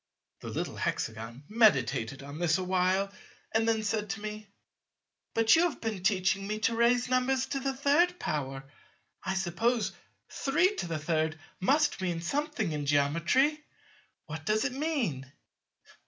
The little Hexagon meditated on this a while and then said to me; "But you have been teaching me to raise numbers to the third power: I suppose 33 must mean something in Geometry; what does it mean?"